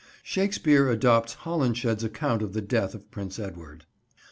Shakespeare adopts Holinshed's account of the death of Prince Edward.